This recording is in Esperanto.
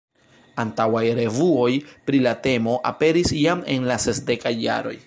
Antaŭaj revuoj pri la temo aperis jam en la sesdekaj jaroj.